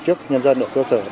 trước nhân dân ở cơ sở